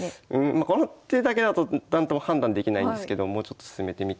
この手だけだと何とも判断できないんですけどもうちょっと進めてみて。